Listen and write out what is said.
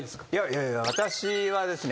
いやいや私はですね